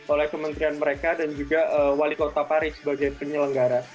oleh kementerian mereka dan juga wali kota paris sebagai penyelenggara